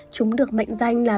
chúng được mệnh danh là